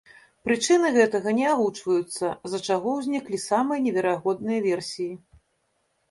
Прычыны гэтага не агучваюцца, з-за чаго ўзніклі самыя неверагодныя версіі.